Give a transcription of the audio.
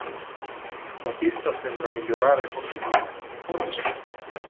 La pista sembra migliorare continuamente.